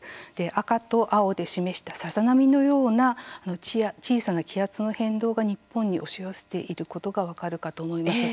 赤と青で示したさざ波のような小さな気圧の変動が日本に押し寄せていることが分かるかと思います。